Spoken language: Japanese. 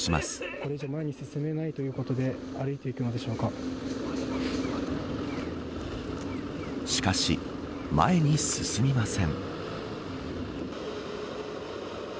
これ以上、前に進めないということでしかし、前に進みません。